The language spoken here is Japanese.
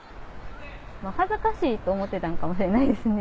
恥ずかしいと思ってたんかもしれないですね。